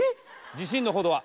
自信のほどは？